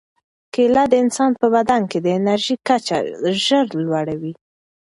کیله د انسان په بدن کې د انرژۍ کچه ژر لوړوي.